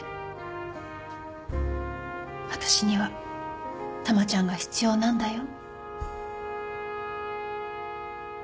私には珠ちゃんが必要なんだよ。